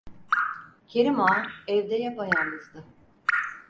Kerim Ağa evde yapayalnızdı.